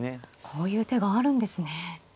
こういう手があるんですね。